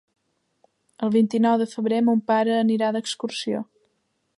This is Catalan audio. El vint-i-nou de febrer mon pare anirà d'excursió.